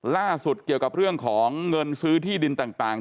เกี่ยวกับเรื่องของเงินซื้อที่ดินต่าง